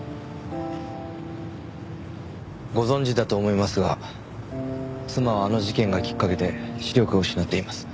ご存じだと思いますが妻はあの事件がきっかけで視力を失っています。